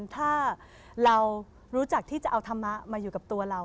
ถ้าเรารู้จักที่จะเอาธรรมะมาอยู่กับตัวเรา